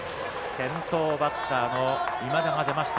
先頭バッターの今田が出ました。